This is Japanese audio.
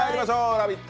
「ラヴィット！」